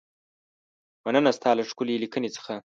مننه ستا له ښکلې لیکنې څخه.